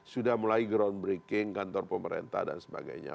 sudah mulai groundbreaking kantor pemerintah dan sebagainya